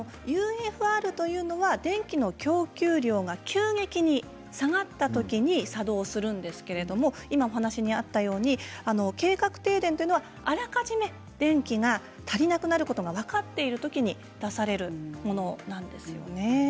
ＵＦＲは電気の供給量が急激に下がったときに作動するんですけれど今、お話にあったように計画停電というのはあらかじめ電気が足りなくなることが分かっているときに出されるものなんですよね。